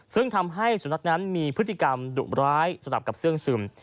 ซึ่งทำให้สุนัขนั้นมีพฤติกรรมดุร้ายสลับกับเสื้องซึม